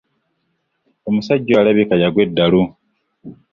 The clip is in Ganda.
Omusajja oyo alabika yagwa eddalu.